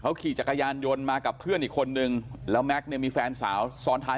ขี่จักรยานยนต์มากับเพื่อนอีกคนนึงแล้วแม็กซ์เนี่ยมีแฟนสาวซ้อนท้าย